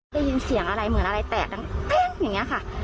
ได้ยินเสียงอะไรเหมือนอะไรแตกดังอย่างนี้ค่ะ